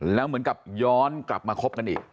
แล้วเหมือนกับย้อนกลับมาคบกันอีก